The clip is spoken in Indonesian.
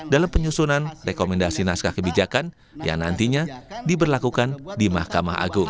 dalam penyusunan rekomendasi naskah kebijakan yang nantinya diberlakukan di mahkamah agung